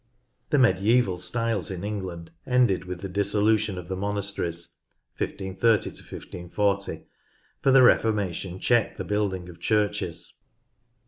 The medieval styles in England ended with the dissolution of the monasteries (1 530 1540), for the Reformation checked the building of churches.